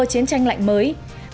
chiến tranh lạnh mới